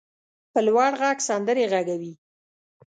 په لوړ غږ سندرې غږوي.